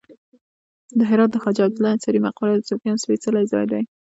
د هرات د خواجه عبدالله انصاري مقبره د صوفیانو سپیڅلی ځای دی